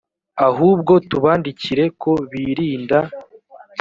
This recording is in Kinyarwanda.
ahubwo tubandikire ko birinda